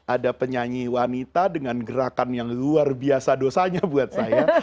ada penyanyi wanita dengan gerakan yang luar biasa dosanya buat saya